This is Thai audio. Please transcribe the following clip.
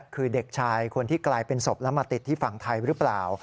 คือเด็กชายคนที่กลายเป็นศพแล้วมาติดที่ฝั่งไทยหรือเปล่า